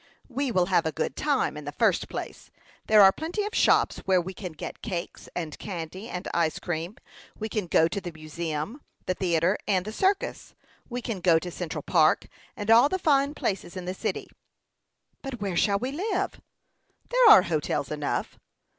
"We will have a good time, in the first place. There are plenty of shops where we can get cakes, and candy, and ice cream; we can go to the museum, the theatre, and the circus; we can go to Central Park, and all the fine places in the city." "But where should we live?" "There are hotels enough."